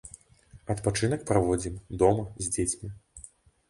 Адпачынак праводзім дома з дзецьмі.